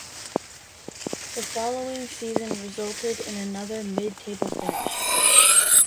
The following season resulted in another mid-table finish.